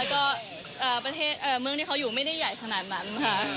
ก็เล่าแต่เค้าระกัน